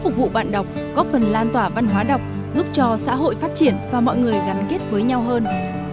các phần lan tỏa văn hóa đọc giúp cho xã hội phát triển và mọi người gắn kết với nhau hơn